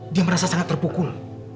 dia merasa sangat terpukul